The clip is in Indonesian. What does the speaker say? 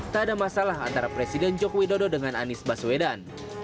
tak ada masalah antara presiden joko widodo dengan anies baswedan